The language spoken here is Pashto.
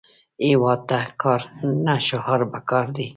هیواد ته کار، نه شعار پکار دی